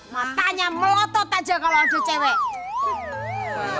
matanya melotot aja kalau aduh cewek